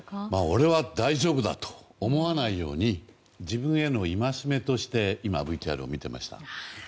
俺は大丈夫だと思わないように自分への戒めとして今、ＶＴＲを見ていました。